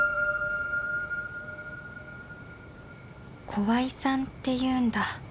怖井さんっていうんだ